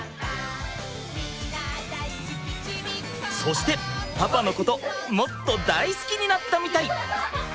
そしてパパのこともっと大好きになったみたい！